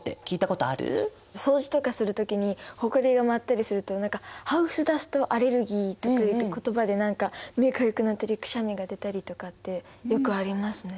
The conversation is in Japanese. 掃除とかする時にほこりが舞ったりすると何かハウスダストアレルギーとかいう言葉で目かゆくなったりくしゃみが出たりとかってよくありますね。